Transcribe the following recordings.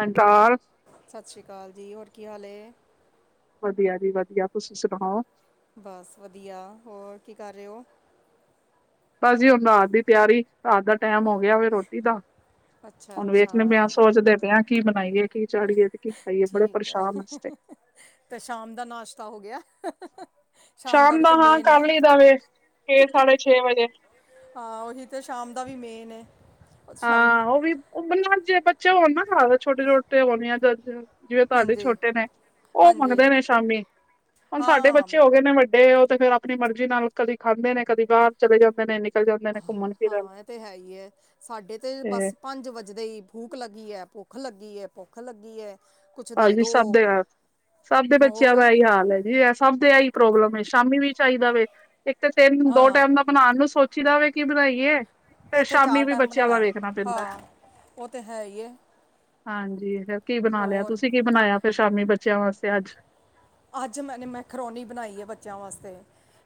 And ਦਾਲ ਸਤਿ ਸ਼੍ਰੀ ਅਕਾਲ ਜੀ ਹੋਰ ਕੀ ਹਾਲ ਏ ਵਧੀਆ ਜੀ ਵਧੀਆ ਤੁਸੀਂ ਸੁਣਾਓ ਬਸ ਵਧੀਆ ਹੋਰ ਕੀ ਕਰ ਰਹੇ ਹੋ ਬਸ ਜੀ ਹੁਣ ਰਾਤ ਦੀ ਤਿਆਰੀ ਰਾਤ ਦਾ ਟੈਮ ਹੋ ਗਿਆ ਵੇ ਰੋਟੀ ਦਾ ਅੱਛਾ ਹੁਣ ਅੱਛਾ ਵੇਖਦੇ ਪਏ ਆ ਸੋਚਦੇ ਪਏਆਂ ਕੀ ਬਣਾਈਏ ਕੀ ਚਾੜੀਏ ਤੇ ਕੀ ਖਾਈਏ ਬੜੇ ਪਰੇਸ਼ਾਨ ਅਸੀ ਤੇ ਅਤੇ ਸ਼ਾਮ ਦਾ ਨਾਸ਼ਤਾ ਹੋ ਗਿਆ ਸ਼ਾਮ ਵੀ ਦਾ ਤੇ ਹਾਂ ਮੇਨ ਹੈ ਕਰ ਲਈ ਦਾ ਵੇ ਛੇ ਸਾਢੇ ਛੇ ਵਜੇ ਹਾਂ ਉਹੀ ਤੇ ਸ਼ਾਮ ਦਾ ਵੀ ਮੇਨ ਏ ਹਾਂ ਉਹ ਵੀ ਨਾ ਜੇ ਬੱਚੇ ਹੋਣ ਨਾ ਘਰ ਛੋਟੇ ਛੋਟੇ ਹੋਣ ਆ ਜ ਜਿਵੇਂ ਤੁਹਾਡੇ ਹਾਂਜੀ ਛੋਟੇ ਨੇ ਉਹ ਹਾਂਜੀ ਮੰਗਦੇ ਨੇ ਸ਼ਾਮੀ ਹੁਣ ਸਾਡੇ ਹਾਂ ਬੱਚੇ ਹੋ ਗਏ ਨੇ ਵੱਡੇ ਉਹ ਤੇ ਫਿਰ ਆਪ ਆਪਣੀ ਮਰਜ਼ੀ ਨਾਲ ਕਦੀ ਖਾਂਦੇ ਨੇ ਕਦੀ ਬਾਹਰ ਚਲੇ ਜਾਂਦੇ ਨੇ ਨਿਕਲ ਜਾਂਦੇ ਨੇ ਘੁੰਮਣ ਫਿਰਨ ਏ ਤੇ ਹੈ ਹੀ ਸਾਡੇ ਤੇ ਬਸ ਪੰਜ ਵੱਜਦੇ ਹੀ ਭੂ ਭੁੱਖ ਲੱਗੀ ਹੈ ਭੁੱਖ ਲੱਗੀ ਹੈ ਭੁੱਖ ਲੱਗੀ ਹੈ ਕੁਛ ਹਾਂਜੀ ਦੋ ਸਭ ਦੇ ਐ ਸਭ ਦੇ ਬੱਚਿਆਂ ਹੋਰ ਦਾ ਇਹੀ ਹਾਲ ਹੈ ਜੀ ਐ ਸਭ ਦੇ ਐਹੀ ਪ੍ਰੋਬਲਮ ਏ ਸ਼ਾਮੀ ਵੀ ਚਾਈਦਾ ਵੇ ਇੱਕ ਤੇ ਤਿੰਨ ਦੋ ਹਾਂ ਟੈਮ ਦਾ ਬਣਾਣ ਨੂੰ ਸੋਚੀ ਦਾ ਹੋ ਵੇ ਕੀ ਬਣਾਈਏ ਫ ਇੱਥੇ ਸ਼ਾਮੀ ਚਾਰ ਵੀ ਟਾਈਮ ਬੱਚਿਆਂ ਦਾ ਬਣਾਉਣਾ ਵੇਖਣਾ ਪੈਂਦਾ ਹਾਂ ਉਹ ਤੇ ਹੈ ਹੀ ਹੈ ਹਾਂਜੀ ਫਿਰ ਕੀ ਬਣਾ ਲਿਆ ਹੋਰ ਤੁਸੀਂ ਕੀ ਬਣਾਇਆ ਫਿਰ ਸ਼ਾਮੀ ਬੱਚਿਆਂ ਵਾਸਤੇ ਅੱਜ ਅੱਜ ਮੈਂਨੇ ਮੈਕਰੋਨੀ ਬਣਾਈ ਏ ਬੱਚਿਆਂ ਵਾਸਤੇ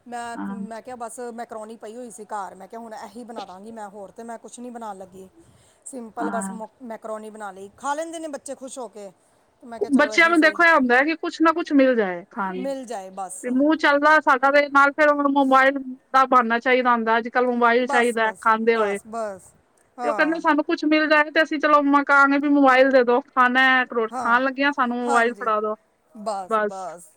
ਮੈਂ ਹਾਂ ਮੈਂ ਕਿਹਾ ਬਸ ਮੈਕਰੋਨੀ ਪਈ ਹੋਈ ਸੀ ਘਰ, ਮੈਂ ਕਿਹਾ ਹੁਣ ਇਹੀ ਬਣਾ ਦਾਂਗੀ, ਮੈਂ ਹੋਰ ਤੇ ਮੈਂ ਕੁਛ ਨੀ ਬਣਾਉਣ ਲੱਗੀ। ਸਿੰਪਲ ਬਸ ਹਾਂ ਮੁ ਮੈਕਰੋਨੀ ਬਣਾ ਲਈ, ਖਾ ਲੈਂਦੇ ਨੇ ਬੱਚੇ ਖੁਸ਼ ਹੋ ਕੇ। ਤੇ ਮੈਂ ਕਿਹਾ ਚਲੋ ਬੱਚਿਆਂ ਇਹੀ ਨੂੰ ਸਹੀ ਦੇਖੋ ਇਹ ਹੁੰਦਾ ਹੈ ਕਿ ਕੁਛ ਨਾ ਕੁਛ ਮਿਲ ਜਾਏ, ਖਾਣ ਨੂੰ, ਮਿਲ ਜਾਏ ਬਸ ਤੇ ਮੂੰਹ। ਚੱਲਦਾ ਸਾਡਾ ਤੇ ਨਾਲ ਫਿਰ ਹੁਣ ਮੋਬਾਇਲ ਦਾ ਬਣਨਾ ਚਾਹੀਦਾ ਹੁੰਦਾ। ਕੱਲ ਨੂੰ ਬਾਈ ਬਸ ਚਾਹੀਦਾ ਬਸ ਖਾਂਦੇ ਹੋਏ, ਬਸ ਬਸ ਤੇ ਉਹ ਹਾਂ ਕਹਿੰਦੇ ਸਾਨੂੰ। ਕੁਛ ਮਿਲ ਜਾਏ ਤੇ ਅਸੀਂ ਚਲੋ ਮਕਾਂਗੇ ਵੀ ਮੋਬਾਈਲ ਦੇ ਦੋ ਖਾਣਾ ਹੈ। ਹਾਂ, ਹਾਂਜੀ, ਬਸ, ਬਸ।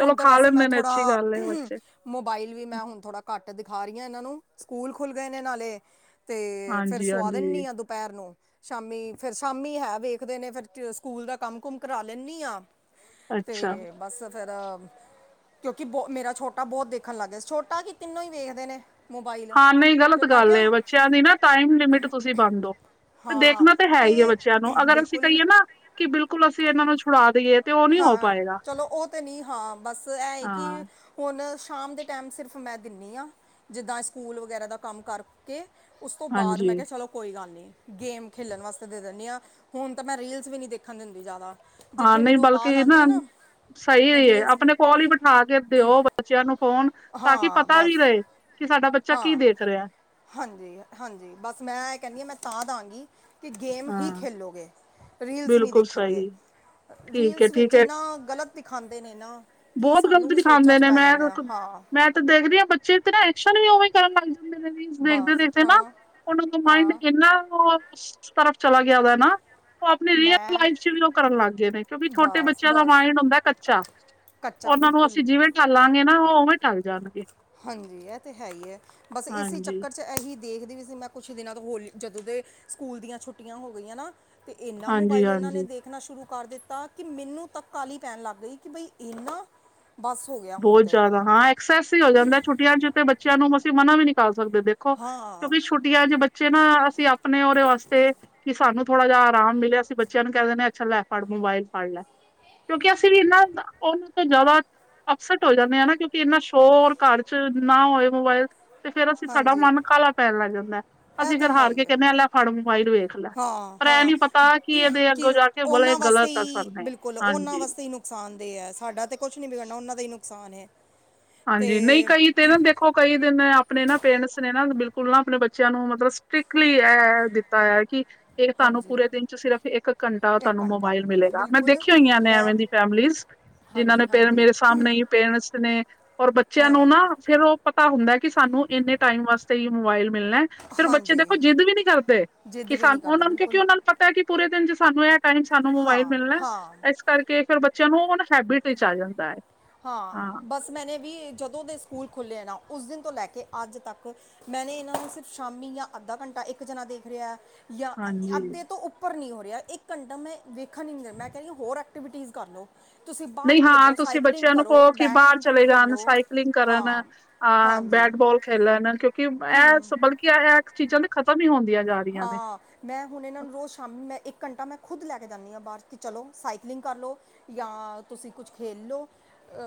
ਚਲੋ ਤਾਂ ਖਾ ਵੈਸੇ ਮੈਂ ਲੈਂਦੇ ਨੇ ਅੱਛੀ ਥੋੜ੍ਹਾ। ਗੱਲ ਏ ਬੱਚੇ। ਮੋਬਾਈਲ ਵੀ ਮੈਂ ਹੁਣ ਥੋੜ੍ਹਾ ਘੱਟ ਦਿਖਾ ਰਹੀ ਹਾਂ ਇਹਨਾਂ ਨੂੰ, ਸਕੂਲ ਖੁੱਲ੍ਹ ਗਏ ਨੇ ਨਾਲੇ। ਅਤੇ ਫਿਰ ਸੁਆ ਹਾਂਜੀ-ਹਾਂਜੀ ਦਿੰਦੀ ਹਾਂ ਦੁਪਹਿਰ ਨੂੰ, ਸ਼ਾਮੀ ਫਿਰ ਸ਼ਾਮੀ ਹੈ ਵੇਖਦੇ ਨੇ ਫਿਰ। ਸਕੂਲ ਦਾ ਕੰਮ ਕੁਮ ਕਰਾ ਲੈਂਦੀ ਆ ਅੱਛਾ ਤੇ ਬਸ ਫਿਰਿਰ ਕਿਉਂਕਿ ਬ ਮੇਰਾ ਛੋਟਾ ਬਹੁਤ ਦੇਖਣ ਲੱਗ ਗਿਆ ਛੋਟਾ ਕੀ ਤਿੰਨੋ ਹੀ ਵੇਖਦੇ ਨੇ। ਮੋਬਾਈਲ ਹਾਂ ਨਹੀਂ ਤੇ ਗ਼ਲਤ ਮੈਂ ਗੱਲ ਕਿਹਾ ਹੈ ਬੱਚਿਆਂ ਦੀ ਨਾ ਟਾਈਮ ਲਿਮਿਟ ਤੁਸੀਂ ਬਣਦੋ ਤੇ ਹਾਂ ਦੇਖਣਾ ਤਾਂ ਹੈ ਤੇ ਹੀ ਹੈ ਬੱਚਿਆਂ ਨੂੰ ਅਗਰ ਅਸੀਂ ਬਿਲਕੁਲ ਕਹੀਏ ਨਾ ਕਿ ਬਿਲਕੁਲ ਅਸੀਂ ਇਹਨਾਂ ਨੂੰ ਛੁਡਾ ਦੇਈਏ। ਤੇ ਓ ਨੀ ਹੋ ਹਾਂ, ਪਾਏਗਾ ਚਲੋ ਉਹ ਤੇ ਨਹੀਂ ਹਾਂ ਬਸ ਇਹ ਏ ਕਿ ਹਾਂ ਹੁਣ ਸ਼ਾਮ ਦੇ ਟਾਈਮ ਸਿਰਫ ਮੈਂ ਦਿੰਦੀ ਹਾਂ। ਜਿੱਦਾਂ ਸਕੂਲ ਵਗੈਰਾ ਦਾ ਕੰਮ ਕਰਕੇ। ਉਸ ਤੋਂ ਬਾਅਦ ਹਾਂਜੀ ਮੈਂ ਕਿਹਾ ਚਲੋ। ਕੋਈ ਗੱਲ ਨਹੀਂ ਗੇਮ ਖੇਡਣ ਵਾਸਤੇ ਦੇ ਦਿੰਦੀ ਹਾਂ, ਹੁਣ ਤਾਂ ਮੈਂ ਰੀਲਸ ਵੀ ਨਹੀਂ ਦੇਖਣ ਦਿੰਦੀ ਜ਼ਿਆਦਾ। ਹਾਂ ਜਿੱਥੇ ਨਹੀਂ ਮੈਨੂੰ ਬਲਕ ਆਵਾਜ਼ ਆਉਂਦੀ ਹੈ ਨਾ। ਸਹੀ ਹੈ, ਰੀਲਸ ਵੀ ਆਪਣੇ ਕੋਲ ਹੀ ਬਿਠਾ ਕੇ ਦਿਓ, ਬੱਚਿਆਂ ਨੂੰ ਫੋਨ ਤਾਂ ਕਿ ਹਾਂ ਪਤਾ ਵੀ ਬਸ ਰਹੇ। ਕਿ ਸਾਡਾ ਬੱਚਾ ਕੀ ਹਾਂ ਦੇਖ ਰਿਹਾ। ਹਾਂਜੀ, ਹਾਂਜੀ ਬਸ ਮੈਂ ਇਹ ਕਹਿੰਦੀ ਹਾਂ ਮੈਂ ਤਾਂ ਦਵਾਂਗੀ। ਕਿ ਗੇਮ ਹੀ ਹਾਂ ਖੇਲੋਗੇ ਰੀਲਸ ਨਹੀਂ ਬਿਲਕੁਲ ਦੇਖੋਗੇ। ਸਈ ਠੀਕ ਰੀਲਸ ਵਿੱਚ ਏ-ਠੀਕ ਏ ਇਹਨਾਂ ਗ਼ਲਤ ਦਿਖਾਉਂਦੇ ਨੇ ਨਾ। ਕਿ ਬਹੁਤ ਸਾਨੂੰ ਗ਼ਲਤ ਵੀ ਸੋਚਾਂ ਦਿਖਾਉਂਦੇ 'ਚ ਨੇ ਪੈ ਮੈਂ ਜਾਂਦੇ ਆ ਹਾਂ ਮੈਂ ਤਾਂ ਦੇਖਦੀ ਹਾਂ ਬੱਚੇ ਤੇ ਨਾ ਐਕਸ਼ਨ ਵੀ ਉਵੇਂ ਕਰਨ ਲੱਗ। ਮੇ ਵੀ ਦੇਖਦੇ ਬਸ ਦੇਖਦੇ ਨਾ ਹਾਂ ਉਹਨਾਂ ਦਾ ਮਾਇੰਡ ਹਾਂ ਕਿੰਨਾ ਉਹ। ਤਰਫ ਚਲਾ ਗਿਆ ਵ ਨਾ। ਉਹ ਆਪਣੀ ਰੀਅਲ ਮੈਂ ਲਾਈਫ ਚ ਵੀ, ਉਹ ਕਰਨ ਲੱਗ ਗਏ ਨੇ, ਕਿਉਂਕਿ ਛੋਟੇ ਬਸ ਬੱਚਿਆਂ ਦਾ ਬਸ ਮਾਇੰਡ ਹੁੰਦਾ ਕੱਚਾ। ਕੱਚਾ ਉਹਨਾਂ ਨੂੰ ਬਿਲਕੁਲ ਅਸੀਂ ਜਿਵੇਂ ਢੱਲਾਂਗੇ ਨਾ ਉਹ ਉਵੇਂ ਢੱਲ ਜਾਣਗੇ। ਹਾਂਜੀ ਇਹ ਤੇ ਹੈ। ਹੀ ਹੈ। ਬਸ ਇਸੇ ਹਾਂਜੀ ਚੱਕਰ ਚ ਇਹੀ। ਦੇਖਦੀ ਵੀ ਸੀ ਮੈਂ ਕੁਛ ਦਿਨਾਂ ਤੋਂ ਹੋਲੀ ਜਦੋਂ ਦੇ ਸਕੂਲ ਦੀਆਂ ਛੁੱਟੀਆਂ ਹੋ ਗਈਆਂ ਨਾ। ਤੇ ਇਨਾ ਹਾਂਜੀ ਮੋਬਾਈਲ ਇਹਨਾਂ ਨੇ ਹਾਂਜੀ ਦੇ। ਦੇਖਣਾ ਸ਼ੁਰੂ ਕਰ ਦਿੱਤਾ ਕਿ ਮੈਨੂੰ ਤਾਂ ਕਾਹਲੀ ਪੈਣ ਲੱਗ ਗਈ ਕਿ ਬਈ ਇਹਨਾ। ਬਸ ਹੋ ਗਿਆ ਹੁਣ ਤਾਂ। ਬਸ ਐਸਾ ਹੀ ਹੋ ਜਾਂਦਾ ਛੁੱਟੀਆਂ ਚ ਤੇ ਬੱਚਿਆਂ ਨੂੰ ਅਸੀਂ ਮਨਾ ਵੀ ਨਹੀਂ ਕਰ ਸਕਦੇ ਦੇਖੋ ਹਾਂ ਕਿਉਂਕਿ ਛੁ। ਛੁਟਿਆ ਜੇ ਬੱਚੇ ਨਾ ਅਸੀਂ ਆਪਣੇ ਉਹਦੇ ਵਾਸਤੇ ਕਿ ਸਾਨੂੰ ਥੋੜਾ ਜਿਹਾ ਆਰਾਮ ਮਿਲਿਆ ਅਸੀਂ ਬੱਚੇ। ਨ ਕਹਿ ਦਿੰਦੇ ਅੱਛਾ ਲੈ ਫੜ ਮੋਬਾਈਲ ਫੜ ਲੈ ਕਿਉਂਕਿ ਅਸੀਂ ਵੀ ਇਨਾ ਉਹਨਾਂ ਤੋਂ ਜਿਆਦਾ। ਅਪਸੈਟ ਹੋ ਜਾਂਦੇ ਆ ਨਾ, ਕਿਉਂਕਿ ਇੰਨਾ ਸ਼ੋਰ ਘਰ ਚ ਨਾ ਹੋਇ। ਮੋਬਾਇਲ ਤੇ ਫੇਰ ਅਸੀਂ ਸਾਡਾ ਹਾਂਜੀ ਮਨ ਕਾਲਾ ਪੈਣ ਲੱਗ ਜਾਂਦਾ ਹੈ। ਇਹ ਅਸੀਂ ਤੇ ਫੇਰ ਹੈ ਹਾਰ ਹੀ ਕੇ ਹੈ ਕਹਿੰਦੇ ਹਾਂ ਲੈ। ਫੜ ਮੋਬਾਇਲ ਨੂੰ ਵੇਖ ਲੈ ਹਾਂ ਪਰ ਇਹ ਹਾਂ ਨੀ ਪਤਾ ਕਿ ਇਹਦੇ ਕਿ ਅੱਗੋਂ ਜਾ ਕੇ ਬੜੇ ਉਹਨਾਂ ਵਾਸਤੇ ਗਲਤ ਅਸਰ ਹੀ ਨੇ। ਬਿਲਕੁਲ ਉਹਨਾਂ ਹਾਂਜੀ ਵਾਸਤੇ ਹੀ ਨੁਕਸਾਨਦੇਹ ਹੈ। ਸਾਡਾ ਤੇ ਕੁਛ ਨੀ ਵਿਗੜਨਾ ਉਹਨਾਂ ਦਾ ਹੀ ਨੁਕਸਾਨ ਹੈ। ਹਾਂਜੀ ਨਹੀਂ ਅਤੇ ਕਈ ਤੇ ਨਾ ਦੇਖ। ਦੇਖੋ ਕਈ ਦਿਨ ਆਪਣੇ ਨਾ ਪੇਰੈਂਟਸ ਨੇ ਨਾ ਬਿਲਕੁਲ ਨਾ ਆਪਣੇ ਬੱਚਿਆਂ ਨੂੰ ਮਤਲਬ ਸਟ੍ਰਿਕਟਲੀ ਇਹ ਦਿੱਤਾ। ਹੋਇਆ ਕੀ? ਫੇਰ ਤਾਨੂੰ ਹਾਂਜੀ ਪੂਰੇ ਦਿਨ ਚ ਸਿਰਫ ਏਕ ਘੰਟਾ ਇੱਕ ਤਾਨੂੰ ਘੰਟਾ ਮੋਬਾਇਲ ਮਿਲੇਗਾ। ਮੈਂ ਬਿਲਕੁਲ ਦੇਖੀਆਂ ਹੋਈਆਂ ਨੇ ਮੈਂ ਐਂਂਵੇਂਦੀ ਫੈਮਲੀਸ। ਜਿਨ੍ਹਾਂ ਨੇ ਹਾਂਜੀ ਪੇਰ ਹਾਂਜੀ ਮੇਰੇ ਸਾਮਨੇ ਈ ਪੇਰੈਂਟਸ ਨੇ ਔਰ ਬੱਚੇਆਂ ਹਾਂ ਨੂੰ ਨਾ ਫੇਰ ਓ। ਪਤਾ ਹੁੰਦਾ ਐਕਿ ਸਾਨੂੰ ਏਨੇ ਟਾਈਮ ਵਾਸਤੇ ਈ ਮੋਬਾਇਲ ਮਿਲਨਾ ਐ ਫੇਰ ਬੱਚੇ ਹਾਂਜੀ ਦੇਖੋ ਜਿੱਦ ਵੀ ਨੀ ਕਰਦੇ। ਜਿੱਦ ਕਿ ਵੀ ਨਹੀਂ ਸਾਨੂੰ ਕਰਦੇ ਓਨਾਂ ਨੂੰ ਕਿਉਂਕਿ ਬਿਲਕੁਲ ਓਨਾਨੂੰ ਪਤਾ ਐਕਿ ਪੂਰੇ ਦਿਨ ਚ ਸਾਨੂੰ ਐ ਟਾਈਮ ਸਾਨੂੰ ਮੋਬਾਈਲ ਹਾਂ ਮਿਲਣੈ ਹਾਂ ਏਸ ਕਰਕੇ ਫੇਰ ਬੱਚੇਆਂ ਨੂੰ ਓਨਾ ਹੈਬਿਟ ਇਚ ਆ ਜਾਂਦਾ ਏ। ਹਾਂ। ਬਸ ਮੈਨੇ ਵੀ ਜਦੋਂ ਦੇ ਸਕੂਲ ਖੁਲੇ ਐਨਾ ਉਸ ਦਿਨ ਤੋਂ ਲੈ ਕੇ ਅੱਜ ਤੱਕ ਮੈਨੇ ਏਨਾਂ ਨੂੰ ਸਿਰਫ ਸ਼ਾਮੀ ਯਾਂ ਅੱਧਾ ਘੰਟਾ ਇੱਕ ਜਨਾ ਦੇਖ ਰੇਆ ਐ ਯਾਂ ਹਾਂਜੀ ਅੱਧੇ ਤੋਂ ਉੱਪ ਉਪਰ ਨੀ ਹੋ ਰੇਆ ਇੱਕ ਘੰਟਾ। ਮੈਂ ਵੇਖਨ ਈ ਨੀ ਦੇ, ਮੈਂ ਕੈ ਰੀ ਹੋਰ ਐਕਟੀਵਿਟੀਜ਼ ਕਰ ਲਓ। ਤੁਸੀ ਬਾਰ ਖੇਲੋ ਸਾਈਕ ਬੱਚੇਆਂ ਨੂੰ ਕੋ ਕਿ ਬਾਰ ਚਲੇ ਜਾਨ ਸਾਈਕਲਿੰਗ ਕਰਨ ਹਾਂ ਅ ਹਾਂਜੀ ਬੈਟਬੋਲ ਬੋਲ ਖੇਲਨ। ਕਓਂਕਿ ਐ ਬਲਕਿ ਐ ਚੀਜਾਂ ਤੇ ਖਤਮ ਈ ਹੋਂਦੀਆਂ ਹਾਂ। ਮੈਂ ਹੁਨ ਏਨਾਂ ਨੂੰ ਰੋਜ਼ ਸ਼ਾਮੀ ਮੈਂ ਇੱਕ ਘੰਟਾ ਮੈਂ ਖੁਦ ਲੈ ਕੇ ਜਾਨੀ ਆਂ ਬਾਰ ਕਿ ਚਲੋ ਸਾਈਕਲਿੰਗ ਕਰ ਲੋ। ਯਾਂ ਤੁਸੀ ਕੁਛ ਖੇਲ ਲਓ।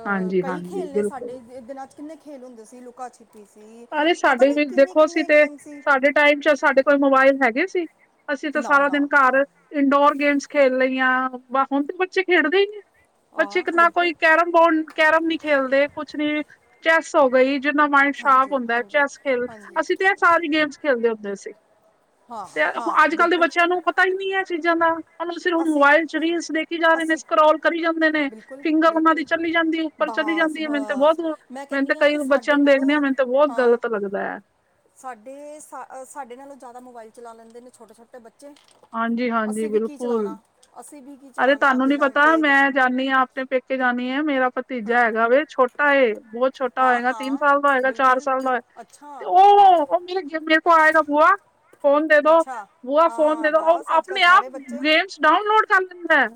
ਹਾਂਜੀ ਕਈ ਹਾਂਜੀ ਖੇਡ ਨੇ ਬਿਲਕੁਲ ਸਾਡੇ ਦਿਨਾਂ ਚ ਕਿੰਨੇ ਖੇਲ ਹੁੰਦੇ ਸੀ। ਲੁਕਾ ਛਿਪੀ ਸੀ। ਅਰੇ ਪਤਾ ਸਾਡੇ ਨੀ ਵੀ ਕਿੰਨੇ ਦੇਖੋ ਅਸੀਂ ਕਿੰਨੇ ਤੇ ਗੇਮ ਸੀ। ਸਾਡੇ ਟਾਈਮ ਚ ਸਾਡੇ ਕੋਲ ਮੋਬਾਇਲ ਹੈਗੇ ਸੀ। ਅਸੀ ਤੇ ਨਾ ਸਾਰਾ ਦਿਨ ਨਾ ਘਰ ਇੰਡੋਰ ਗੇਮਸ ਖੇਲ ਲਈਆਂ। ਵ ਹੁਣ ਤੇ ਬੱਚੇ ਖੇਡਦੇ ਈ ਨੀ ਬੱਚੇ ਆ ਨਾ ਕੋਈ ਬਿਲਕੁਲ ਕੈਰਮ ਬੋਡ ਕੈਰਮ ਨੀ ਖੇਲਦੇ ਕੁਛ ਨੀ। ਚੈਸ ਹੋ ਗਈ ਜਿਨਾਲ ਮਾਈਂਡ ਸਾ਼ਪ ਹਾਂਜੀ ਹੁੰਦਾ ਐ। ਹਾਂਜੀ ਚੈਸ ਖੇਲ ਹਾਂਜੀ ਅਸੀ ਤੇ ਐ ਸਾਰੀ ਗੇਮਸ ਖੇਲਦੇ ਹੁੰਦੇ ਸੀ। ਹਾਂ ਤੇ ਹੁ ਹਾਂ ਅੱਜ ਕੱਲ ਦੇ ਬਿਲਕੁਲ ਬੱਚੇਆਂ ਨੂੰ ਪਤਾ ਈ ਨੀ ਐ ਚੀਜਾਂ ਦਾ। ਸਿਰਫ ਅਸੀਂ ਮੋਬਾਇਲ ਚ ਰੀਲਸ ਦੇਖੀ ਜਾ ਰੇ ਨੇ। ਅਸੀਂ ਸਕਰੋਲ ਕਰੀ ਜਾਂਦੇ ਨੇ, ਬਿਲਕੁਲ ਫਿੰਗਰ ਓਨਾਂ ਦੀ ਬਿਲਕੁਲ ਚਲੀ ਜਾਂਦੀ ਪਰ ਚਲੀ ਬਸ ਜਾਂਦੀ ਏ। ਮੈਨੂੰ ਤੇ ਬਸ ਬੋਤ ਮੈਂ ਮੈਨੂੰ ਤੇ ਕਹਿੰਨੀ ਆ ਕਈ ਕਿ ਬੱਚੇਆਂ ਸਾਡੇ ਨੂੰ ਦੇਖਨੇ ਆਂ ਨਾਲੋਂ ਮੈਨੂੰ ਤੇ ਬੋਤ ਹਾਂ ਗਲਤ ਲੱਗਦਾ ਐ। ਸਾਡੇ ਸਾ ਸਾਡੇ ਨਾਲੋਂ ਜਾਦਾ ਮੋਬਾਇਲ ਚਲਾ ਲੈਂਦੇ ਨੇ ਛੋਟੇ-ਛੋਟੇ ਬੱਚੇ। ਹਾਂਜੀ ਹਾਂਜੀ ਅਸੀਂ ਵੀ ਕੀ ਬਿਲਕੁਲ। ਚਲਾਣਾ ਅਸੀਂ ਵੀ ਕੀ ਅਰੇ ਚਲਾਣਾ ਤਾਨੂੰ ਨੀ ਜਿੰਨਾ ਪਤਾ ਤੇਜ਼ ਮੈਂ ਜਾਨੀ ਆਂ ਅਪਨੇ ਪੇਕੇ ਜਾਨੀ ਆਂ ਮੇਰਾ ਪਤ ਤੀਜਾ ਹੈਗਾ ਵੇ। ਛੋਟਾ ਏ ਬੋਤ ਛੋਟਾ ਹਾਂ ਹੋਏਗਾ ਤਿੰਨ ਹਾਂ ਸਾਲ ਦਾ ਹੋਏਗਾ ਚਾਰ ਬਿਲਕੁਲ ਸਾਲ ਦਾ ਹੋਏ। ਤੇ ਅੱਛਾ ਓ, ਓ ਮੇ ਮੇਰੇ ਕੋਲ ਆਏਗਾ ਬੂਆ ਫੋਨ ਦੇ ਦੋ, ਅੱਛਾ ਬੂਆ ਫੋਨ ਹਾਂ ਓ ਬਸ ਅੱਜ ਕੱਲ ਅਪਨੇ ਆਪ ਸਾਰੇ ਬੱਚੇ ਗੇਮਸ ਡਾਊਨਲੋਡ ਕਰ ਲੇਂਦਾ ਐ।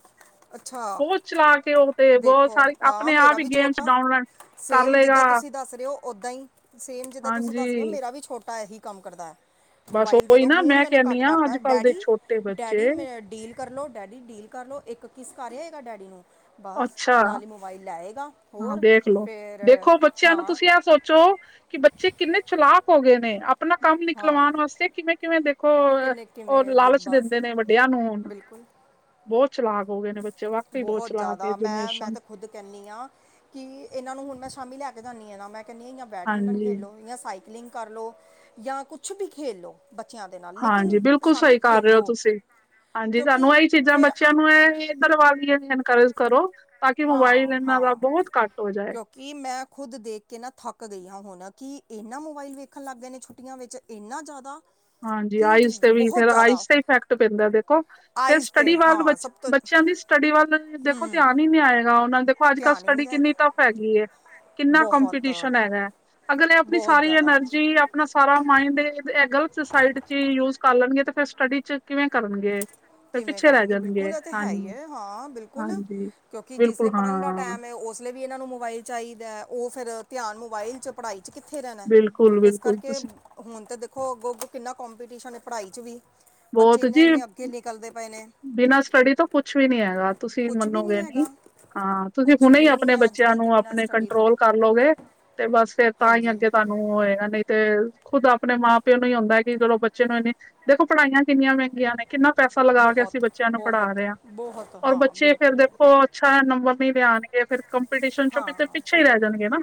ਅੱਛਾ ਬੋਤ ਚਲਾਕੇ ਓ ਤੇ ਬੋਤ ਦੇਖੋ ਸਾਰੀ ਹਾਂ ਆਪਨੇ ਮੇਰਾ ਆਪ ਈ ਵੀ ਗੇਮਸ ਛੋਟਾ ਡਾਊਨਲ ਸੇਮ ਜਿੱਦਾਂ ਤੁਸੀ ਦੱਸ ਰੇ ਓ ਓਦਾਂ ਹੀ ਸੇਮ ਜਿੱਦਾਂ ਤੁਸੀ ਹਾਂਜੀ ਦੱਸ ਰੇ ਓ ਮੇਰਾ ਵੀ ਛੋਟਾ ਏਹੀ ਕੰਮ ਕਰਦਾ ਐ। ਬਸ ਮੋਬਾਈਲ ਦੇ ਉਹੀ ਦੋ। ਨਾ ਹੁਨ ਮੈਂ ਮੈਨੇ ਕਹਿੰਦੀ ਘੱਟ ਹਾਂ ਕਰਤਾ ਅੱਜ ਐ। ਕੱਲ ਦੇ ਡੈਡੀ ਛੋਟੇ ਡੈਡੀ ਬੱਚੇ ਮੈ ਡੀਲ ਕਰ ਲਉ ਡੈਡੀ ਡੀਲ ਕਰ ਲਉ। ਏਕ ਕਿਸ ਕਰ ਆਏਗਾ ਡੈਡੀ ਨੂੰ ਬਸ ਅੱਛਾ ਨਾਲ ਈ ਮੋਬਾਈਲ ਲੈਏਗਾ। ਹਾਂ ਦੇਖਲੋ। ਦੇਖੋ ਬੱਚੇਆਂ ਨੂੰ ਤੁਸੀ ਐ ਸੋਚ ਚੋ ਕਿ ਬੱਚੇ ਕਿੰਨੇ ਚਲਾਕ ਹੋ ਗਏ ਨੇ। ਅਪਨਾ ਕੰਮ ਹਾਂ ਨਿਕਲਵਾਨ ਵਾਸਤੇ ਕਿਵੇਂ ਕਿਵੇਂ ਦੇਖੋ ਓ ਕਿੰਨੇ ਓ ਕਿਵੇਂ ਦੇ ਲਾਲਚ ਬਸ ਦੇਂਦੇ ਨੇ ਵੱਡੇਆਂ ਨੂੰ ਹੁਨ। ਬਿਲਕੁਲ। ਬੋਤ ਚਲਾਕ ਹੋਗੇ। ਬੋਹਤ ਜਾਦਾ ਮੈਂ ਮੈਂ ਤੇ ਖੁਦ ਕੇਨੀ ਆਂ। ਕਿ ਏਨਾਂ ਨੂੰ ਹੁਨ ਮੈਂ ਸ਼ਾਮੀ ਲੈ ਕੇ ਜਾਂਨੀ ਆਂ ਨਾ। ਮੈਂ ਕੇਨੀ ਆਂ ਯਾਂ ਬੈਡਮਿੰਟਨ ਹਾਂਜੀ ਖੇਲ ਲੋ ਯਾਂ ਸਾਈਕ ਕਲਿੰਗ ਕਰ ਲੋ ਯਾਂ ਕੁਛ ਵੀ ਖੇਲ ਲੋ। ਹਾਂਜੀ। ਬਿਲਕੁਲ ਸਈ ਕਰ ਰਏ ਓ ਤੁਸੀ। ਹਾਂਜੀ। ਸਾਨੂੰ ਕਿਉਂਕਿ ਐਈ ਚੀਜਾਂ ਫਿਰ ਬੱਚੇਆਂ ਆ- ਨੂੰ ਐ ਏਦਰ ਵਲ ਈ ਐਨਕਰੇਜ ਕਰੋ ਤਾਂ ਕਿ ਮੋਬਾਇਲ ਏਨਾਂ ਦਾ ਬੋਹਤ ਘੱਟ ਹੋ ਜਾਏ। ਕਿ ਮੈਂ ਖੁਦ ਦੇਖ ਕੇ ਨਾ ਥੱਕ ਗਈ ਆਂ ਹੁਨ ਕਿ ਏਨਾਂ ਮੋਬਾਇਲ ਵੇਖਣ ਲੱਗ ਗਏ ਨੇ ਛੁੱਟੀਆਂ ਵਿੱਚ। ਏਨਾ ਜਾਦਾ। ਹਾਂਜੀ ਆਈਸ ਤੇ ਵੀ ਫੇਰ ਆਈਸ ਤੇ ਇਫੈਕਟ ਪੈਂਦਾ ਦੇਖੋ। ਫਿਰ ਆਈਜ਼ ਤੇ ਸਟੱਡੀ ਵੱਲ ਬ ਹਾਂ ਸਭ ਤੋਂ ਬੱਚੇਆਂ ਦੀ ਸਟੱਡੀ ਵੱਲ ਦੇਖੋ ਧਿਆਨ ਈ ਨੀ ਆਏਗਾ ਓਨਾਂ ਦੇ ਅੱਜ-ਕੱਲ ਧਿਆਨ ਹੀ ਨਹੀਂ ਸਟੱਡੀ ਕਿੰਨੀ ਜਾਏਗਾ ਟੱਫ ਹੈਗੀ ਏ ਕਿੰਨਾ ਬਹੁਤ ਕੰਪੀਟੀਸ਼ਨ ਹੈਗਾ। ਅਗਲੇ ਆਪਨੀ ਬਹੁਤ ਸਾਰੀ ਜ਼ਿਆਦਾ ਐਨਰਜੀ ਆਪਨਾ ਸਾਰਾ ਮਾਇੰਡ ਏ-ਏ ਗੱਲ ਸੁਸਾਈਡ ਚ ਯੂਜ ਕਰ ਲੈਨਗੇ ਤੇ ਫੇਰ ਸਟੱਡੀ ਚ ਕਿਵੇਂ ਕਰਨਗੇ? ਫਿਰ ਕਿਵੇਂ ਪਿੱਛੇ ਰਹਿ ਕਰਨਗੇ ਬਿਲਕੁਲ ਜਾਣਗੇ ਏ ਤੇ ਹੈ ਈ ਹਾਂਜੀ ਐ ਹਾਂ ਬਿਲਕੁਲ ਹਾਂਜੀ ਕਿਓਂਕਿ ਜਿਸ ਵੇਲੇ ਬਿਲਕੁਲ ਪੜਨ ਦਾ ਹਾਂ ਟੈਮ ਐ ਓਸ ਵੇਲੇ ਵੀ ਏਨਾਂ ਨੂੰ ਮੋਬਾਈਲ ਚਾਈਦਾ ਓ ਫੇਰ ਧਿਆਨ ਮੋਬਾਈਲ ਚ ਪੜਾਈ ਚ ਕਿੱਥੇ ਰੈਨਾ, ਬਿਲਕੁਲ ਏਸ ਬਿਲਕੁਲ ਕਰਕੇ ਤੁਸੀਂ ਹੁਨ ਤੇ ਦੇਖੋ ਅੱਗੋਂ-ਅੱਗੋਂ ਕਿੰਨਾ ਕੋਂਪੀਟੀਸ਼ਨ ਐ ਪੜ੍ਹਾਈ ਚ ਵੀ, ਬੱਚੇ ਬਹੁਤ ਜੀ ਏਨੇ-ਏਨੇ ਅੱਗੇ ਦੇ ਤੇ ਪਏ ਨੇ। ਬਿਨਾਂ ਸਟੱਡੀ ਤੋਂ ਕੁਛ ਵੀ ਨੀ ਹੈਗਾ। ਤੁਸੀਂ ਕੁਝ ਵੀ ਨਹੀਂ ਮੰਨੋਗੇ ਨੀ ਹੈਗਾ ਹਾਂ ਤੁਸੀਂ ਕੁਝ ਹੁਨੇ ਈ ਵੀ ਨਹੀਂ ਆਪਨੇ ਹੈ ਅੱਜ ਬੱਚਿਆਂ ਕੱਲ ਤੇ ਨੂੰ ਬਿਨਾਂ ਆਪਨੇ ਸਟੱਡੀ ਤੋਂ ਕੰਟਰੋਲ ਕਰ ਲੋਗੇ ਤੇ ਬਸ ਫੇਰ ਤਾਂਈ ਹਾਂਜੀ ਅੱਗੇ ਤਾਨੂੰ ਨੂੰ ਏਨਾਂ ਨਈਂ ਤੇ ਖੁਦ ਆਪਨੇ ਮਾਂ-ਪਿਓ ਨੂੰ ਈ ਹੁੰਦਾ ਕੇ ਚਲੋ ਬੱਚੇ ਨੂੰ ਏਨੀ ਦੇਖੋ ਪੜਾਈਆਂ ਕਿੰਨੀਆਂ ਮੈਂਗੀਆਂ ਨੇ ਕਿੰਨਾ ਪੈਸਾ ਲਗਾ ਕੇ ਅਸੀਂ ਬਹੁਤ ਬੱਚਿਆਂ ਨੂੰ ਪੜਾ ਬਹੁਤ ਰਏ ਆਂ ਬਹੁਤ ਔਰ ਹਾਂ ਬੱਚੇ ਫੇਰ ਬਿਲਕੁਲ ਦੇਖੋ ਛਾਇਆ ਨੰਬਰ ਨੀ ਲਿਆਨਗੇ ਤੇ ਫਿਰ ਕੰਪੀਟੀਸ਼ਨ ਹਾਂ ਚ ਪਿੱਛੇ ਈ ਰੈ ਫਿਰ ਜਾਨਗੇ ਨਾ।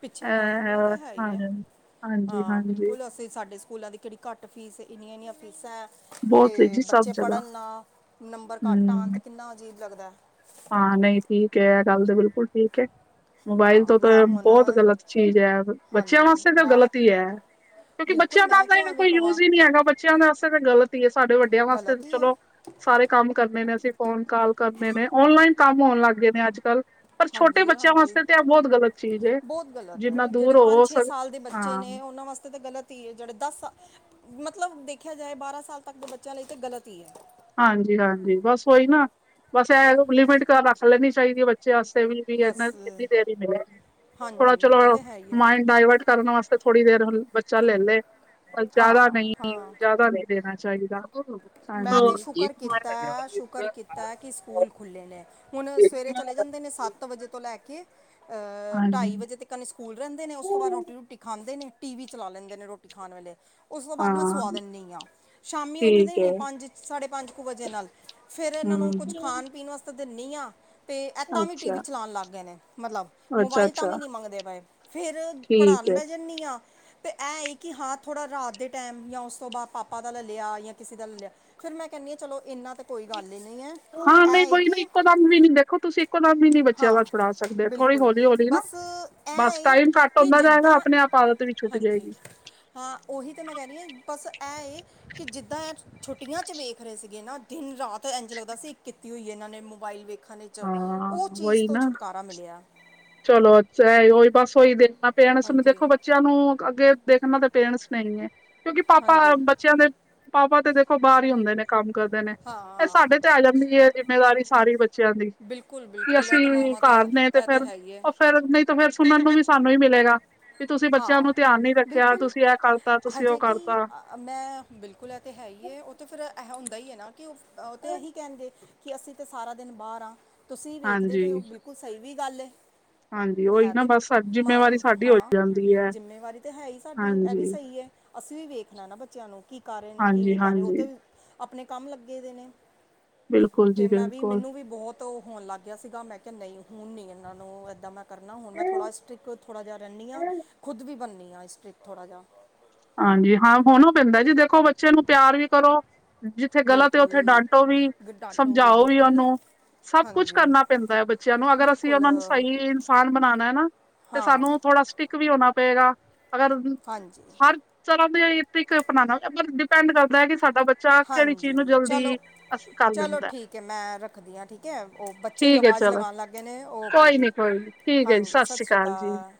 ਪਿੱਛੇ ਰੈ ਜਾਨਗੀਆਂ ਏ ਅ ਤੇ ਹੈਈ ਐ ਹਾਂਜੀ ਹਾਂਜੀ ਹਾਂ ਹਾਂਜੀ ਬਿਲਕੁਲ ਅਸੀਂ ਸਾਡੇ ਸ ਸਕੂਲਾਂ ਦੀ ਕੇੜੀ ਘੱਟ ਫੀਸ ਇੰਨੀਆਂ-ਇੰਨੀਆਂ ਫੀਸਾਂ ਐਂ। ਬਹੁਤ ਤੇ ਜੀ ਸਭ ਬੱਚੇ ਜਗ੍ਹਾ ਪੜਨ ਨਾ ਨੰਬਰ ਘੱਟ ਆਨ ਹਮ ਤੇ ਕਿੰਨਾ ਅਜੀਬ ਲੱਗਦਾ। ਹਾਂ ਨਈਂ ਠੀਕ ਐ ਗੱਲ ਤੇ ਬਿਲਕੁਲ ਠੀਕ ਐ। ਮੋਬਾਇਲ ਹਾਂ ਤੋਂ ਤਾਂ ਮੈਂ ਹੁਣ ਬੋਤ ਗ਼ਲਤ ਚੀਜ਼ ਐ, ਬੱਚਿਆਂ ਹਾਂਜੀ ਵਾਸਤੇ ਤਾਂ ਮੈਂ ਗ਼ਲਤ ਈ ਐ। ਕਿਓਂਕਿ ਬਿਲਕੁਲ ਬੱਚਿਆਂ ਦਾ ਮੈਂ ਤਾਂ ਕਿਉਂ ਏਨਾ ਐਵੇਂ ਕੋਈ ਕਵਾਂ ਯੂਜ ਈ ਨੀ ਹੈਗਾ ਬੱਚਿਆਂ ਵਾਸਤੇ ਤਾਂ ਗ਼ਲਤ ਈ ਐ ਸਾਡੇ ਵੱਡਿਆਂ ਵਾਸਤੇ ਤੇ ਗਲਤ ਹੀ ਹੈ ਚਲੋ ਸਾਰੇ ਕੰਮ ਕਰਨੇ ਨੇ ਅਸੀਂ ਫੋਨ ਕਾਲ ਕਰਨੇ ਨੇ ਓਨਲਾਈਨ ਕੰਮ ਹੋਨ ਲਾਗੇ ਨੇ ਅੱਜ-ਕੱਲ ਪਰ ਛੋਟੇ ਹਾਂਜੀ ਬੱਚੇਆਂ ਹਾਂਜੀ ਵਾਸਤੇ ਤੇ ਐ ਬੋਤ ਗ਼ਲਤ ਚੀਜ਼ ਐ, ਬਹੁਤ ਗਲਤ ਹੈ ਜਿੰਨਾ ਦੂਰ ਜਿਹੜੇ ਹੋਵੋ ਸਾਲ ਦੇ ਬੱਚੇ ਨੇ ਓਨਾਂ ਵਾਸਤੇ ਤਾਂ ਗਲਤ ਤੀ ਏ ਜੇੜੇ ਦਸ ਸਾਲ ਮਤਲਬ ਦੇਖੇਆ ਜਾਏ ਬਾਰਾਂ ਸਾਲ ਤੱਕ ਦੇ ਬੱਚੇਆਂ ਲਈ ਤਾਂ ਗਲਤ ਈ ਐ। ਹਾਂਜੀ-ਹਾਂਜੀ ਬਸ ਓਈ ਨਾ ਬਸ ਐ ਲਿਮਟ ਰੱਖ ਲੈਨੀ ਚਾਈਦੀ ਐ ਬੱਚੇ ਵਾਸਤੇ ਵੀ। ਵੀ ਬਸ ਓਨਾ ਕਿੰਨੀ ਦੇਰ ਈ ਮਿਲਿਆ। ਥੋੜਾ ਹਾਂਜੀ ਇਹ ਚਲੋ ਤਾਂ ਹੈ ਹੀ ਹੈ ਮਾਇੰਡ ਡਾਇਵਰਟ ਕਰਨ ਵਾਸਤੇ ਥੋੜੀ ਦੇਰ ਬੱਚਾ ਲੈ ਲੇ। ਬਸ ਹਾਂ ਜਾਦਾ ਨਈ ਹਾਂ ਜਾਦਾ ਨਈ ਦੇਨਾ ਚਾਈਦਾ [unintelligible] ਮੈਂ ਤੇ ਹਾਂਜੀ। ਸ਼ੁਕਰ ਕੀਤਾ ਹਾਂਜੀ ਸ਼ੁਕਰ ਕੀਤਾ ਕੀ ਸਕੂਲ ਖੁੱਲੇ ਨੇ, ਹੁਨ ਸਵੇਰੇ ਚਲੇ ਜਾਂਦੇ ਨੇ ਸੱਤ ਵਜੇ ਤੋਂ ਲੈ ਕੇ ਅਹ ਢਾਈ ਵਜੇ ਤੱਕ ਕਨ ਸਕੂਲ ਰੈਂਦੇ ਨੇ ਉਸ ਤੋਂ ਬਾਦ ਰੋਟੀ ਰੂਟੀ ਖਾਂਦੇ ਨੇ ਟੀ ਵੀ ਚਲਾ ਲੈਂਦੇ ਨੇ ਰੋਟੀ ਖਾਨ ਵੇਲੇ। ਉਸ ਤੋਂ ਬਾਦ ਮੈਂ ਹਾਂ ਸੁਆ ਦਿੰਨੀ ਆਂ, ਸ਼ਾਮੀ ਉੱਠਦੇ ਠੀਕ ਹੈ ਨੇ ਪੰਜ ਸਾਢੇ ਪੰਜ ਕੁ ਵਜੇ ਨਾਲ ਫੇਰ ਏਨਾਂ ਹਮ ਨੂੰ ਕੁਝ ਖਾਨ ਪੀਨ ਵਾਸ ਦਿੰਨੀ ਆ ਤੇ ਐ ਤਾਂ ਵੀ ਟੀ ਵੀ ਅੱਛਾ ਚਲਾਨ ਲੱਗ ਗਏ ਨੇ ਮਤਲਬ ਅੱਛਾ ਮੋਬਾਈਲ ਤਾਂ ਵੀ ਅੱਛਾ ਨੀ ਮੰਗਦੇ ਪਏ ਫੇਰ ਠੀਕ ਪੜਾਨ ਹੈ ਬੈ ਜੇ ਦਿੰਨੀ ਆਂ ਤੇ ਐ ਕੀ ਹਾਂ ਥੋੜਾ ਰਾਤ ਦੇ ਟੈਮ ਜਾਂ ਉਸ ਤੋਂ ਬਾਦ ਪਾਪਾ ਦਾ ਲੈ ਲੇਆ ਜਾਂ ਕਿਸੀ ਦਾ ਲੱ ਲੇਆ, ਫੇਰ ਮੈਂ ਕੈਨੀ ਆਂ ਚਲੋ ਇੰਨਾਂ ਤਾਂ ਕੋਈ ਗੱਲ ਈ ਨਈਂ ਐ। ਹਾਂ ਨਈਂ ਕੋਈ ਨੀ ਇੱਕੋ ਦਮ ਵੀ ਨੀ ਦੇਖੋ ਤੁਸੀਂ ਇੱਕੋ ਦਮ ਵੀ ਨੀ ਬੱਚਿਆਂ ਦਾ ਹਾਂ ਛੁਡਾ ਸਕਦੇ ਥੋੜੀ ਬਿਲਕੁਲ ਹੌਲੀ-ਹੌਲੀ ਨਾ ਬਸ ਬਸ ਇਹ ਏ ਟਾਈਮ ਘੱਟ ਕਿ ਹੁੰਦਾ ਜਾਏਗਾ ਜਿੱਦਾਂ ਆਪਨੇ ਆਪ ਆਦਤ ਵੀ ਛੁਟ ਹਾਂਜੀ ਜਾਏਗੀ। ਹਾਂ ਓਹੀ ਤਾਂ ਮੈਂ ਕੈ ਰਈ ਆਂ ਬਸ ਐ ਏ ਕੇ ਜਿੱਦਾਂ ਐ ਛੁੱਟੀਆਂ ਚ ਵੇਖ ਰਏ ਸੀਗੇ ਨਾ ਦਿਨ ਰਾਤ ਐਂਜ ਲੱਗਦਾ ਸੀ ਇਕ ਕੀਤੀ ਹੋਈ ਐ ਏਨਾਂ ਨੇ ਮੋਬਾਇਲ ਵੇਖ ਖਾਨੇ ਚ, ਹਾਂ ਓ ਚੀਜ਼ ਵਹੀ ਤੋਂ ਨਾ ਛੁਟਕਾਰਾ ਮਿਲਿਆ। ਚਲੋ ਅੱਛਾ ਓਹੀ ਬਸ ਓਈ ਵੇਖਣਾ ਪੇਆ ਨਾ ਸੁਣ ਹਾਂਜੀ ਦੇਖੋ ਬ ਬੱਚਿਆਂ ਨੂੰ ਅੱਗੇ ਦੇਖਣਾ ਤਾਂ ਪੇਰੈਂਟਸ ਨੇ ਹੀਂ ਐ, ਕਿਉਂਕਿ ਪਾਪਾ ਹਾਂਜੀ ਬੱਚਿਆਂ ਦੇ ਪਾਪਾ ਤੇ ਦੇਖੋ ਬਾਰ ਈ ਹੁੰਦੇ ਨੇ ਕੰਮ ਕਰਦੇ ਨੇ, ਏਹ ਹਾਂ ਸਾਡੇ ਤੇ ਆ ਜਾਂਦੀ ਏ ਜਿੰਮੇਵਾਰੀ ਸਾਰੀ ਬੱਚਿਆਂ ਦੀ। ਬਿਲਕੁਲ ਵੀ ਬਿਲਕੁਲ ਇਹ ਤੇ ਅਸੀਂ ਮਾਵਾਂ ਤੇ ਘਰ ਨੇ ਤੇ ਇਹ ਫੇਰ ਹੈ ਹੀ ਹੈ ਓ ਫੇਰ ਨਈ ਤਾਂ ਫੇਰ ਨਹੀਂ ਸੁਣਨ ਨੂੰ ਫਿਰ ਵੀ ਸਾਨੂੰ ਈ ਮਿਲੇਗਾ। ਵੀ ਤੁਸੀਂ ਬੱਚੇਆਂ ਹਾਂ ਨੂੰ ਧਿਆਨ ਨੀ ਰੱਖੇਆ, ਬਿਲਕੁਲ ਤੁਸੀਂ ਐ ਕਾਰਤਾ ਤੁਸੀਂ ਓ ਹਜੇ ਕਿ ਕਾਰਤਾ। ਮੈਂ ਬਿਲਕੁਲ ਐ ਤੇ ਹੈਈ ਏ ਓ ਤੇ ਫੇਰ ਐਹ ਹੁੰਦਾ ਈ ਐਨਾ ਕਿ ਓ-ਓ ਤੇ ਏਹੀ ਕੈਹਣਗੇ। ਕਿ ਅਸੀਂ ਤਾਂ ਸਾਰਾ ਦਿਨ ਬਾਰ ਆਂ, ਤੁਸੀਂ ਵੇਖਦੇ ਹਾਂਜੀ ਪਏ ਓ ਬਿਲਕੁਲ ਸਈ ਵੀ ਗੱਲ ਏ। ਹਾਂਜੀ ਹੈ ਉਹੀ ਨਾ ਤੇ ਮ ਬਸ ਸਾ- ਜਿੰਮੇਵਾਰੀ ਸਾਡੀ ਹੋ ਹਾਂ ਜਾਂਦੀ ਹੈ ਜਿੰਮੇਵਾਰੀ ਤਾਂ ਹੈ ਈ ਸਾਡੀ, ਐ ਵੀ ਹਾਂਜੀ ਸਹੀ ਐ ਅਸੀਂ ਵੀ ਵੇਖਣਾ ਨਾ ਬੱਚਿਆਂ ਨੂੰ ਕੀ ਕਰ ਰਏ ਨੇ ਕੀ ਹਾਂਜੀ ਨੀ ਕਰ ਰਏ ਓਤੇ ਹਾਂਜੀ ਆਪਣੇ ਕੰਮ ਲੱਗੇ ਦੇ ਨੇ। ਬਿਲਕੁਲ ਤੇ ਜੀ ਮੈਂ ਵੀ ਬਿਲਕੁਲ ਮੈਨੂੰ ਵੀ ਬਹੁਤ ਹੋਣ ਲੱਗ ਗੇਆ ਸੀਗਾ, ਮੈਂ ਕੇਆ ਨਈ ਹੁਣ ਨੀ ਐਹਨਾਂ ਨੂੰ ਏਦਾਂ ਮੈਂ। ਕਰਨਾ ਹੁਣ ਮੈਂ ਥੋੜਾ ਸਟਿ੍ਕ ਥੋੜਾ ਜੇਹਾ ਰੈਨੀ ਆਂ ਖੁਦ ਵੀ ਬੰਨੀ ਆ ਸਟ੍ਰਿਕ ਥੋੜਾ ਜੇਹਾ। ਹਾਂਜੀ ਹਾਂ ਹੋਨੋ ਪੈਂਦਾ ਜੀ ਦੇਖੋ ਬੱਚੇ ਨੂੰ ਪਆਰ ਵੀ ਕਰੋ। ਜਿੱਥੇ ਗਲਤ ਏ ਓੱਥੇ ਬਿਲਕੁਲ ਡਾਂਟੋ ਵੀ, ਗਡਾਟੋ ਸਮਝਾਓ ਵੀ ਬਿਲਕੁਲ ਓੱਨੂੰ। ਸਭ ਕੁਝ ਹਾਂਜੀ ਕਰਨਾ ਪੈਂਦੈ ਬੱਚਿਆਂ ਨੂੰ, ਅਗਰ ਅਸੀਂ ਬਿਲਕੁਲ ਓਹਨਾਂ ਨੂੰ ਸਈ। ਸਾਨ ਬਣਾਣੈ ਨਾ ਤੇ ਹਾਂ ਸਾਨੂੰ ਥੋੜਾ ਸਟਿਕ ਵੀ ਹੋਣਾ ਪਏਗਾ, ਅਗਰ ਹਾਂਜੀ। ਚਲੋ ਬਈ ਏਹੀ ਤਰੀਕਾ ਅਪਣਾ ਨੇ ਮਤਲਬ ਡਿਪੈਂਡ ਕਰਦਾ ਕਿ ਸਾਡਾ ਬਚ ਚਾਅ ਕੇਹੜੀ ਚੀਜ਼ ਨੂੰ ਹਾਂਜੀ ਜਲਦੀ ਚਲੋ ਅਸਤ ਕਰ ਚਲੋ ਦਿੰਦਾ? ਠੀਕ ਹੈ ਮੈਂ ਰੱਖਦੀ ਹਾਂ ਠੀਕ ਹੈ ਉਹ ਬੱਚੇ ਹੀ ਠੀਕ ਐ ਆਵਾਜ਼ ਚਲੋ, ਲਗਾਉਣ ਲੱਗ ਗਏ ਨੇ ਓਕੇ ਕੋਈ ਨੀ ਜੀ ਕੋਈ ਨੀ, ਠੀਕ ਐ ਜੀ ਹਾਂਜੀ ਸਸ ਸਤਿ ਸ਼੍ਰੀ ਕਾਲ ਜੀ। ਅਕਾਲ